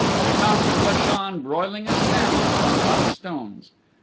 They found the Glashan broiling a salmon upon hot stones.